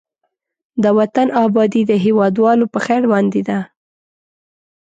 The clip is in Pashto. د وطن آبادي د هېوادوالو په خير باندې ده.